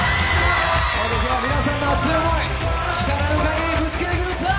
皆さんの熱い思い、力のかぎり、ぶつけてください。